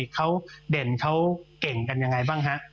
เขาเด่นเขาเก่งกันยังไงบ้างฮะ